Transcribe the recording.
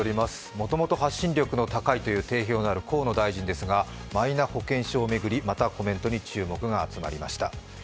もともと発信力が高いと定評があるマイナ保険証を巡り、またコメントに注目が集まりました。